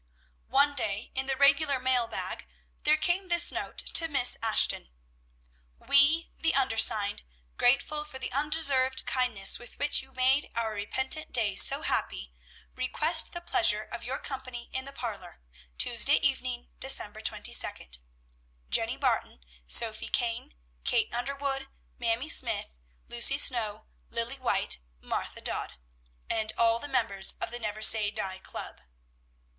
One day, in the regular mail bag, there came this note to Miss Ashton: We, the undersigned, grateful for the undeserved kindnesses with which you have made our repentant days so happy, request the pleasure of your company in the parlor, Tuesday evening, December 22. JENNY BARTON, SOPHY KANE, KATE UNDERWOOD, MAMIE SMYTHE, LUCY SNOW, LILLY WHITE, MARTHA DODD, _and all the members of the "Never Say Die Club."